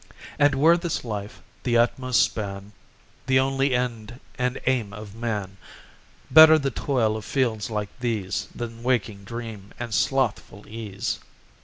And were this life the utmost span, The only end and aim of man, Better the toil of fields like these Than waking dream and slothful ease.